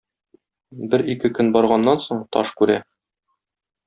Бер-ике көн барганнан соң, таш күрә.